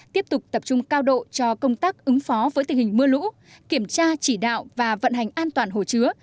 tiếp tục tập trung cao độ cho công tác ứng phó với tình hình mưa lũ kiểm tra chỉ đạo và vận hành an toàn hồ chứa